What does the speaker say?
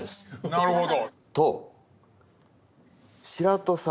なるほど。